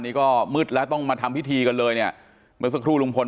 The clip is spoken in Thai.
นี่ก็มืดแล้วต้องมาทำพิธีกันเลยเนี่ยเมื่อสักครู่ลุงพล